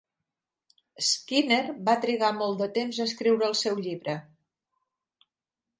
Skinner va trigar molt de temps a escriure el seu llibre.